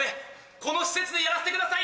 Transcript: この施設でやらせてください